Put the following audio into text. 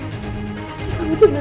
ibu silahkan tunggu di luar